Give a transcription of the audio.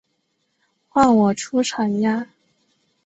换我出场呀！